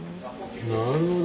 なるほど。